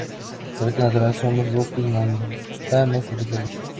Su hábitat natural son los bosques montanos tropicales.